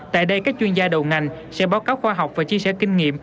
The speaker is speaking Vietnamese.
tại đây các chuyên gia đầu ngành sẽ báo cáo khoa học và chia sẻ kinh nghiệm